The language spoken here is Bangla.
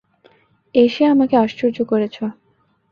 এসে আমাকে আশ্চর্য করেছো।